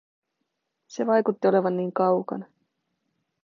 Se vaikutti olevan niin kaukana.